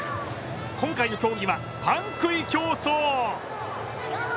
今回の競技は、パン食い競争！